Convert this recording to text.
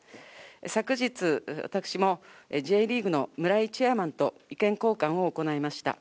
昨日、私もＪリーグの村井チェアマンと意見交換を行いました。